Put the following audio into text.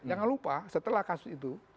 jangan lupa setelah kasus itu